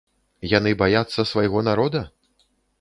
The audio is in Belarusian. Яны баяцца свайго народа?